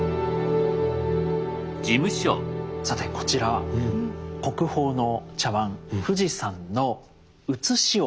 さてこちら国宝の茶碗「不二山」の写しを。